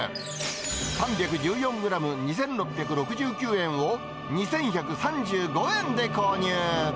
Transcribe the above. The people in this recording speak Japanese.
３１４グラム２６６９円を、２１３５円で購入。